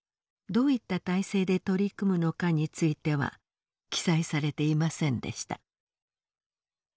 どういった体制で取り組むのかについては記載されていませんでした。